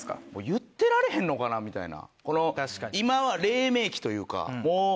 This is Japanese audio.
言ってられへんのかなみたいな。